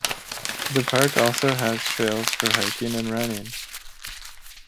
The park also has trails for hiking and running.